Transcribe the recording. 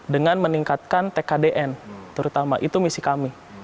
dengan meningkatkan tkdn terutama itu misi kami